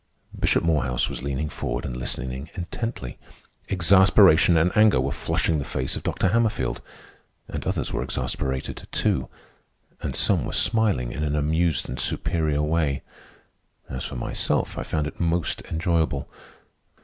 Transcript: Bishop Morehouse was leaning forward and listening intently. Exasperation and anger were flushing the face of Dr. Hammerfield. And others were exasperated, too, and some were smiling in an amused and superior way. As for myself, I found it most enjoyable.